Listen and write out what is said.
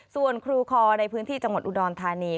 ส่วนครูคอในพื้นที่จังหวัดอุดรธานี